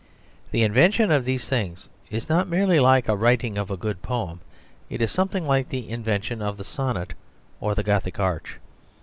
The invention of these things is not merely like the writing of a good poem it is something like the invention of the sonnet or the Gothic arch.